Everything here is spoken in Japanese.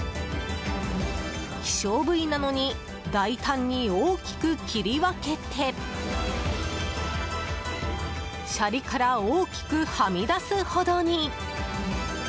希少部位なのに大胆に大きく切り分けてシャリから大きくはみ出すほどに。